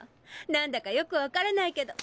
何だかよく分からないけど。